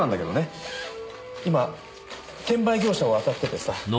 今転売業者をあたっててさ。